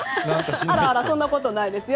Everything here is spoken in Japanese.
そんなことないですよ。